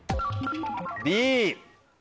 Ｂ。